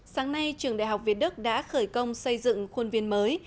sáng nay trường đại học việt đức đã khởi công xây dựng khuôn viên mới